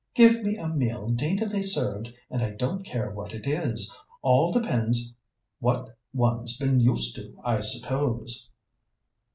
Give me a meal daintily served and I don't care what it is! All depends what one's been used to, I suppose."